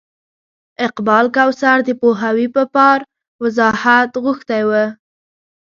اقبال کوثر د پوهاوي په پار وضاحت غوښتی و.